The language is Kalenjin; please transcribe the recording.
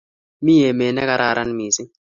Mi emet nekararan mising